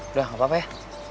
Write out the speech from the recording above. udah gapapa ya